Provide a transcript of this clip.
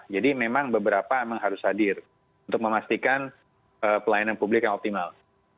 jadi memang beberapa memang harus hadir untuk memastikan pelayanan publik yang optimal